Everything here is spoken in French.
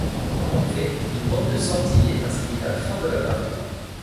En effet, une bande de sortie est inscrite à la fin de la gravure.